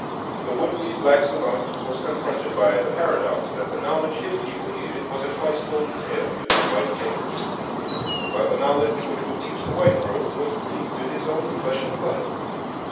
The would be black savant was confronted by the paradox that the knowledge his people needed was a twice told tale to his white neighbors, while the knowledge which would teach the white world was Greek to his own flesh and blood.